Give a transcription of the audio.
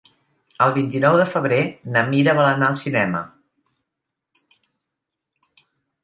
El vint-i-nou de febrer na Mira vol anar al cinema.